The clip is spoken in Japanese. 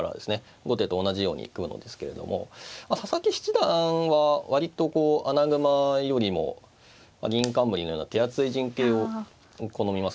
後手と同じように組むのですけれども佐々木七段は割とこう穴熊よりも銀冠のような手厚い陣形を好みますね。